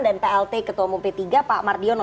dan plt ketua umum p tiga pak mardiono